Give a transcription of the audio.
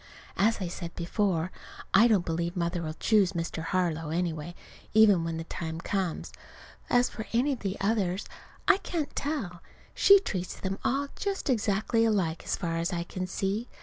As I said before, I don't believe Mother'll choose Mr. Harlow, anyway, even when the time comes. As for any of the others I can't tell. She treats them all just exactly alike, as far as I can see.